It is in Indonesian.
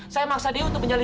saya maksa dewi untuk mencari